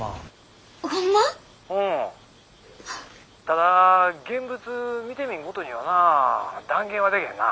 ただ現物見てみんことにはなぁ断言はでけへんな。